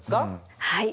はい。